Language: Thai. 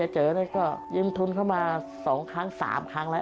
เจอนี่ก็ยืมทุนเข้ามา๒ครั้ง๓ครั้งแล้ว